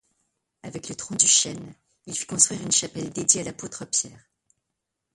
Avec le tronc du chêne il fit construire une chapelle dédiée à l’apôtre Pierre.